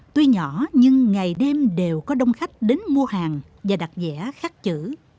tuy nhỏ nhưng ngày đêm đều có đông khách đến mua hàng và đặt dẻ khắc chữ